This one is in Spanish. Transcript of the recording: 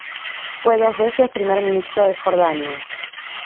Fue dos veces primer ministro de Jordania.